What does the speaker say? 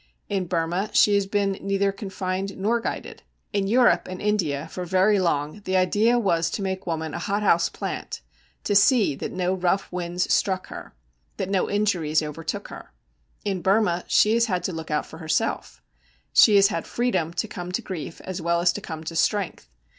In Burma she has been neither confined nor guided. In Europe and India for very long the idea was to make woman a hot house plant, to see that no rough winds struck her, that no injuries overtook her. In Burma she has had to look out for herself: she has had freedom to come to grief as well as to come to strength.